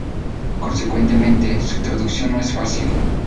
Consecuentemente, su traducción no es fácil.